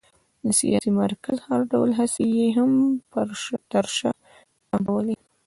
د سیاسي مرکزیت هر ډول هڅې یې هم پر شا تمبولې.